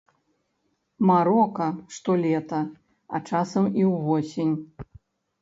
Марока, штолета, а часам і ўвосень.